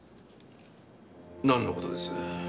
なんの事です？